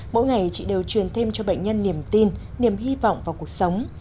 mỗi ngày chị đều truyền thêm cho bệnh nhân niềm tin niềm hy vọng vào cuộc sống